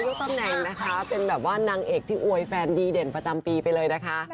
ตำแหน่งนะคะเป็นแบบว่านางเอกที่อวยแฟนดีเด่นประจำปีไปเลยนะคะ